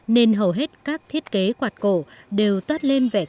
nên hầu hết các thiết kế quạt cổ đều toát lên vẻ đẹp